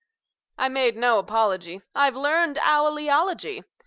I make no apology; I've learned owl eology.